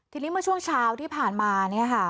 ทีนี้เมื่อช่วงเช้าที่ผ่านมาเนี่ยค่ะ